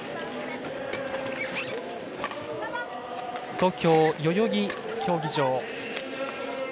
東京・代々木競技場。